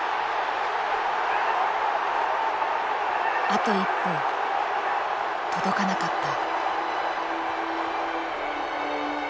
あと一歩届かなかった。